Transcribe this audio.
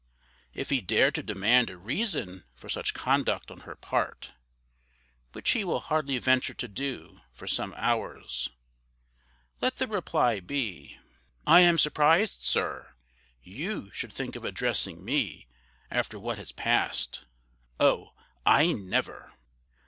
If he dare to demand a reason for such conduct on her part (which he will hardly venture to do for some hours), let the reply be, "I am surprised, sir, YOU should think of addressing me, after what has past. Oh! I never!"